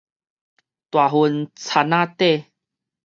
大份田仔底